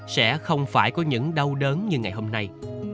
sẽ không phải có những đau đớn như ngày hôm nay